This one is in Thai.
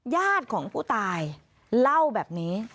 ญาติของผู้ตายเล่าแบบนี้